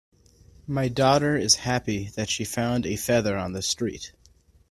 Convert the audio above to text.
My daughter is happy that she found a feather on the street.